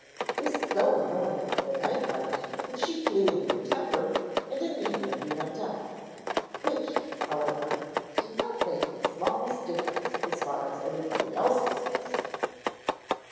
This so annoyed the night light that she flew into a temper and immediately went out, which, however, did not make the smallest difference as far as anybody else was concerned.